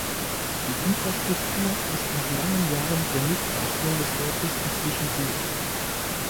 Die Infrastruktur ist nach langen Jahren der Nichtbeachtung des Ortes inzwischen gut.